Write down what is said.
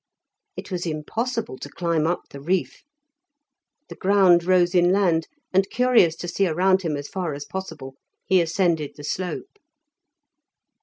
It was impossible to climb up the reef. The ground rose inland, and curious to see around him as far as possible, he ascended the slope.